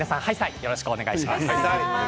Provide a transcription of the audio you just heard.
よろしくお願いします。